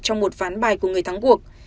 trong một ván bài của người thắng cuộc